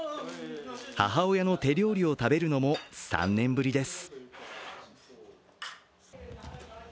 母親の手料理を食べるのも３年ぶりです。